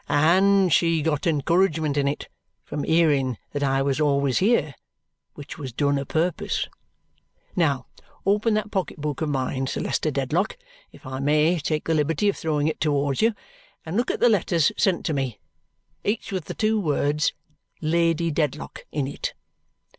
"And she got encouragement in it from hearing that I was always here, which was done a purpose. Now, open that pocket book of mine, Sir Leicester Dedlock, if I may take the liberty of throwing it towards you, and look at the letters sent to me, each with the two words 'Lady Dedlock' in it.